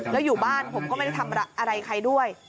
แล้วอยู่บ้านผมก็ไม่ได้ทำอะไรใครด้วย